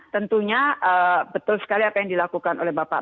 tentunya betul sekali apa yang dilakukan oleh bapak